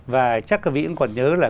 và chắc các vị cũng còn nhớ là